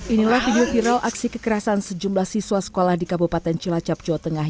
inilah video viral aksi kekerasan sejumlah siswa sekolah di kabupaten cilacap jawa tengah